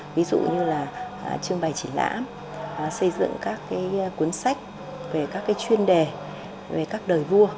ví dụ như là trưng bày triển lãm xây dựng các cuốn sách về các chuyên đề về các đời vua